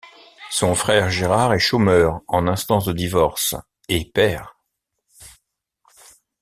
Son frère Gérard est chômeur, en instance de divorce et père.